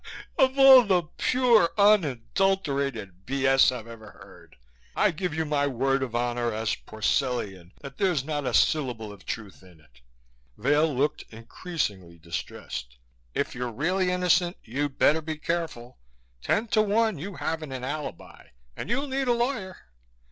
"Of all the pure, unadulterated b.s. I've ever heard! I give you my word of honor as a Porcellian that there's not a syllable of truth in it." Vail looked increasingly distressed. "If you're really innocent, you'd better be careful. Ten to one you haven't an alibi, and you'll need a lawyer.